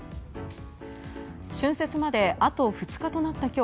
春節まであと２日となった今日